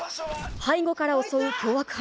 背後から襲う凶悪犯。